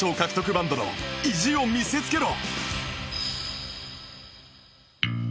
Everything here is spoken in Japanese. バンドの意地を見せつけろ！